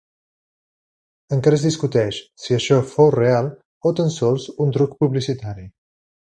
Encara es discuteix si això fou real o tan sols un truc publicitari.